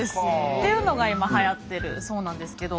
というのが今はやってるそうなんですけど。